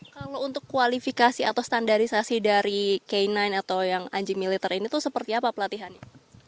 kalau untuk kualifikasi atau standarisasi dari k sembilan atau yang anji militer ini tuh seperti apa pelatihannya